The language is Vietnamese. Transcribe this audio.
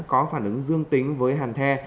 có phản ứng dương tính với hàn the